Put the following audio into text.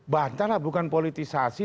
bantah lah bukan politisasi